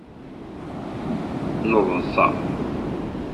Neḍṣa.